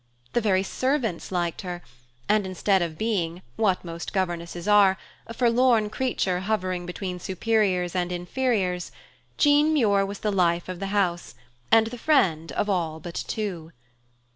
The very servants liked her; and instead of being, what most governesses are, a forlorn creature hovering between superiors and inferiors, Jean Muir was the life of the house, and the friend of all but two.